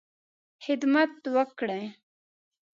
خدمت وکړې.